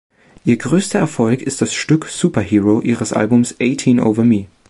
Ihr größter Erfolg ist das Stück "Superhero" ihres Albums "Eighteen Over Me".